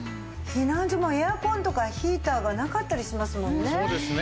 避難所もエアコンとかヒーターがなかったりしますもんね。